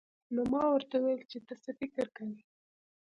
نو ما ورته وويل چې ته څه فکر کوې.